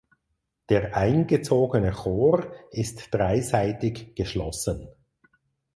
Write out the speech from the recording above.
Der eingezogene Chor ist dreiseitig geschlossen.